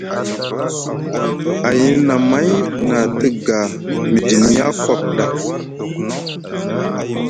Ayni nʼamay na te ga midini Yacob ɗa.